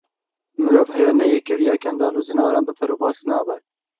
Mirov heya neyê keviya kendal û zinaran, bi per û bask nabe.